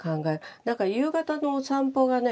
なんか夕方のお散歩がね